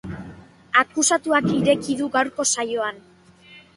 Akusatuak ireki du gaurko saioan.